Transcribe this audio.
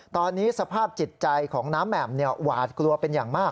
ตอนนี้สภาพจิตใจของน้ำแหม่มหวาดกลัวเป็นอย่างมาก